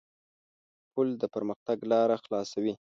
پُل د پرمختګ لاره خلاصوي.